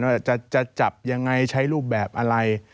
ว่าจะจับยังไงใช้รูปแบบอะไร